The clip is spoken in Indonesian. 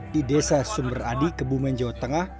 di desa sumberadi kebumen jawa tengah